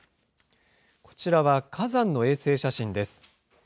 こちらは火山の衛星写真です。